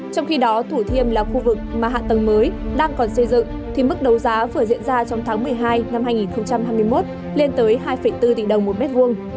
trong khi đó thủ thiêm là khu vực mà hạ tầng mới đang còn xây dựng thì mức đấu giá vừa diễn ra trong tháng một mươi hai năm hai nghìn hai mươi một lên tới hai bốn tỷ đồng một mét vuông